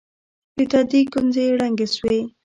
د تندي گونځې يې ړنګې سوې.